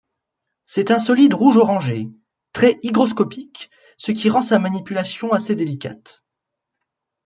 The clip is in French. C'est un solide rouge-orangé, très hygroscopique, ce qui rend sa manipulation assez délicate.